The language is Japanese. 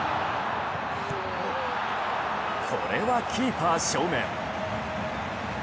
これはキーパー正面。